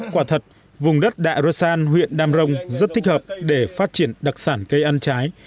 quả thật vùng đất đạ rơ san huyện đam rồng rất thích hợp để phát triển đặc sản cây ăn trái